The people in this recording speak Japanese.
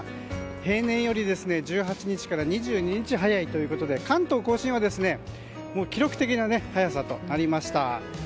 平年より１８日から２２日早いということで関東・甲信は記録的な早さとなりました。